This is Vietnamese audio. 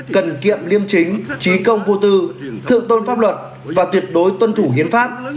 cần kiệm liêm chính trí công vô tư thượng tôn pháp luật và tuyệt đối tuân thủ hiến pháp